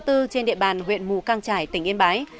trên địa bàn huyện mù căng trải tỉnh yên bái